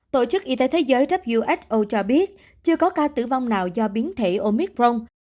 tổ chức y tế thế giới who cho biết chưa có ca tử vong nào do biến thể omicron